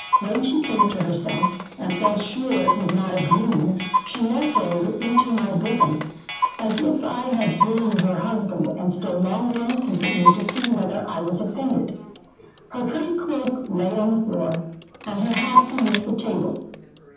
When she came to herself, and felt sure it was not a dream, she nestled into my bosom, as if I had been her husband, and stole long glances at me to see whether I was offended. Her pretty cloak lay on the floor, and her hat beneath the table.